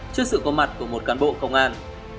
trước sự có mặt của một cán bộ công an